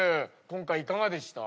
今回いかがでした？